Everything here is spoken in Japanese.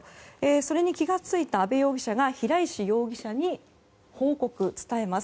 それに気が付いた阿部容疑者が平石容疑者に報告、伝えます。